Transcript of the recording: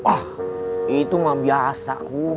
wah itu mah biasa